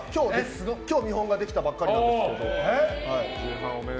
今日、見本ができたばかりなんですけど。